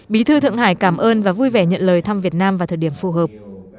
bí thư thượng hải cảm ơn và vui vẻ nhận lời thăm việt nam vào thời điểm phù hợp